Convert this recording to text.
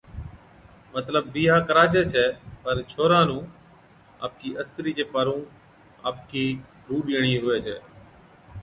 مطلب بِيھا ڪراجي ڇَي پر ڇوھَرا نُون آپَڪِي استرِي چي پارُون آپَڪِي ڌُو ڏيڻِي ھُوي ڇَي